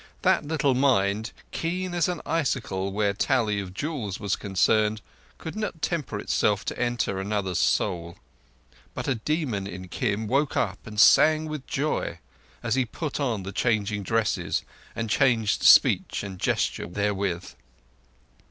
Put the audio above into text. That little mind, keen as an icicle where tally of jewels was concerned, could not temper itself to enter another's soul; but a demon in Kim woke up and sang with joy as he put on the changing dresses, and changed speech and gesture therewith.